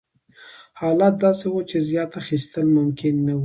حالت داسې و چې زیات اخیستل ممکن نه وو.